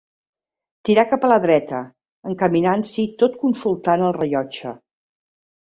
Tirà cap a la dreta, encaminant-s'hi tot consultant el rellotge.